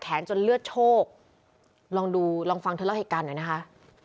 จนเลือดโชคลองดูลองฟังเธอเล่าเหตุการณ์หน่อยนะคะ